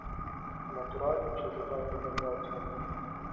"Naturalnie, przezywają go za oczami..."